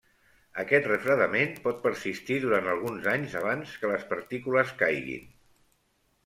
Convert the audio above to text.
Aquest refredament pot persistir durant alguns anys abans que les partícules caiguin.